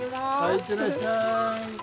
行ってらっしゃい。